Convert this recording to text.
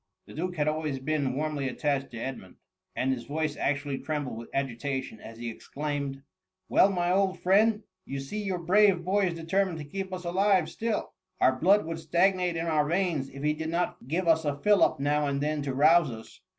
The duke had always been warmly attached to Edmund, and his voice actually trembled with agitation as he ex claimed :—" Well, my old friend, you see your brave boy is determined to keep us alive still. Our THB MUMMY. 67 blood would Stagnate in our veins, if he did not give us a fillip now and then to rouse us.